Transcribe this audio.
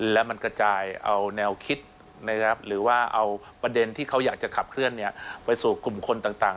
และมันกระจายเอาแนวคิดหรือว่าเอาประเด็นที่เขาอยากจะขับเคลื่อนไปสู่กลุ่มคนต่าง